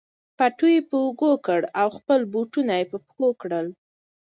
پټو یې په اوږه کړ او خپل بوټونه یې په پښو کړل.